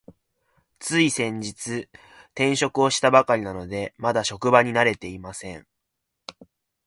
つい先月、転職をしたばかりなので、まだ職場に慣れていません。